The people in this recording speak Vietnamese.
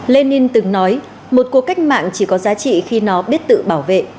lenin từng nói một cuộc cách mạng chỉ có giá trị khi nó biết tự bảo vệ